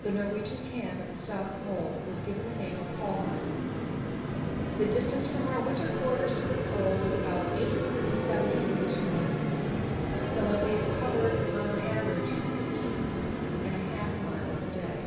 The Norwegian camp at the South Pole was given the name of "Polheim." The distance from our winter quarters to the Pole was about 870 English miles, so that we had covered on an average 15 1/2 miles a day.